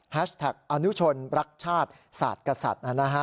แฮชแท็กอนุชนรักชาติสัตว์กับสัตว์